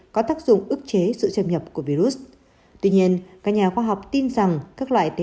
có tác dụng ức chế sự châm nhập của virus tuy nhiên các nhà khoa học tin rằng các loại tế